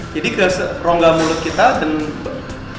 jadi ke rongga mulut kita dan lidah